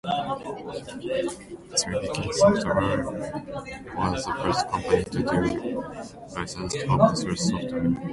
Sleepycat Software was the first company to dual-licensed open-source software.